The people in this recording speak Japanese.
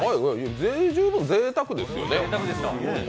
十分ぜいたくですよね。